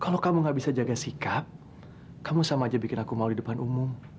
kalau kamu gak bisa jaga sikap kamu sama aja bikin aku mau di depan umum